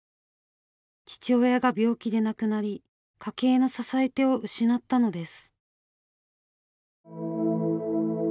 父親が病気で亡くなり家計の支え手を失ったのです。